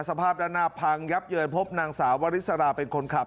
สภาพด้านหน้าพังยับเยินพบนางสาววริสราเป็นคนขับ